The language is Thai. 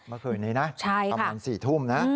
เมื่อคืนนี้นะต่ำวัน๔ทุ่มนะ